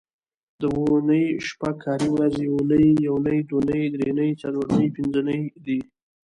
د اونۍ شپږ کاري ورځې اونۍ، یونۍ، دونۍ، درېنۍ، څلورنۍ، پینځنۍ دي